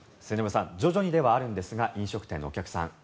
末延さん徐々にではあるんですが飲食店のお客さん